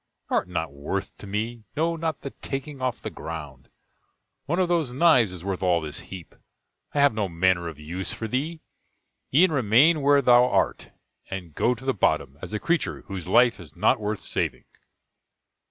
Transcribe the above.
Thou art not worth to me no, not the taking off the ground; one of those knives is worth all this heap; I have no manner of use for thee e'en remain where thou art, and go to the bottom, as a creature whose life is not worth saving."